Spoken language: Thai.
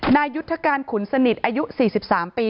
นายุทธการขุนสนิทอายุ๔๓ปี